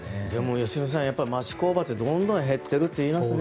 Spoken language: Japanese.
良純さん、町工場ってどんどん減ってるって言いますね。